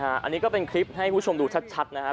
อันนี้ก็เป็นคลิปให้คุณผู้ชมดูชัดนะครับ